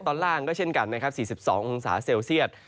ตอนล่างก็เช่นกันนะครับ๔๒องศาเซลเซียต